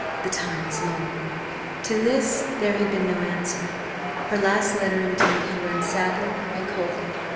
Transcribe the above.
The time is long!" To this there had been no answer. Her last letter indeed had rung sadly and coldly.